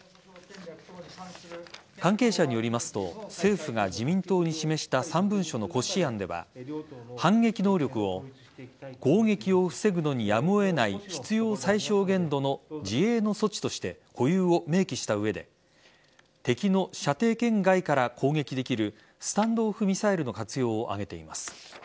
関係者によりますと政府が自民党に示した３文書の骨子案では反撃能力を攻撃を防ぐのにやむを得ない必要最小限度の自衛の措置として保有を明記した上で敵の射程圏外から攻撃できるスタンド・オフ・ミサイルの活用を挙げています。